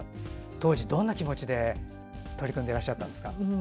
当時、どんな気持ちで取り組んでらっしゃったんですか。